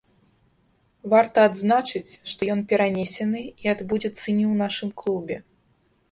Варта адзначыць, што ён перанесены і адбудзецца не ў нашым клубе.